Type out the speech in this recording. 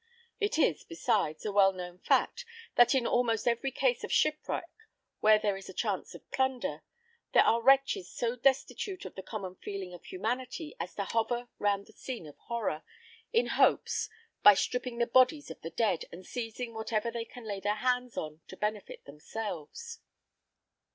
It is, besides, a well known fact, that in almost every case of shipwreck where there is a chance of plunder, there are wretches so destitute of the common feelings of humanity as to hover round the scene of horror, in hopes, by stripping the bodies of the dead, and seizing whatever they can lay their hands on, to benefit themselves.